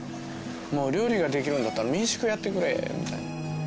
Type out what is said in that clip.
料理ができるんだったら民宿やってくれ！みたいな。